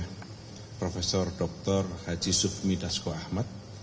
yang diperoleh prof dr haji sufmi dasko ahmad